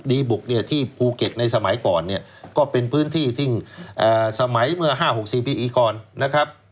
บุกเนี่ยที่ภูเก็ตในสมัยก่อนเนี่ยก็เป็นพื้นที่ที่สมัยเมื่อ๕๖๔ปีก่อนนะครับ